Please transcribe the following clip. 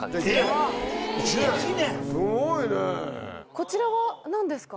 こちらは何ですか？